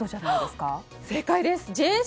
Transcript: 正解です。